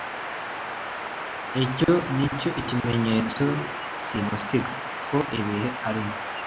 iki cyo ni ikimenyetso simusiga ko ibihe arimo